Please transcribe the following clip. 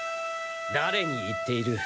だれに言っている。